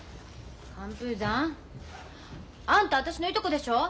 寒風山？あんた私のいとこでしょ。